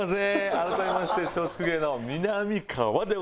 改めまして松竹芸能みなみかわでございます。